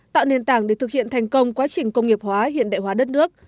tạo nền tảng để thực hiện thành công quá trình công nghiệp hóa hiện đại hóa đất nước